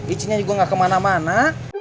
ibu nanya gua gak kemana mana